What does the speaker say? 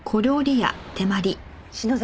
篠崎